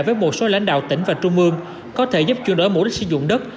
với một số lãnh đạo tỉnh và trung ương có thể giúp chuyên đối mục đích sử dụng đất